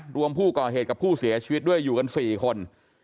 รวมผู้ก่อเหตุกับผู้เสียชีวิตด้วยอยู่กัน๔คน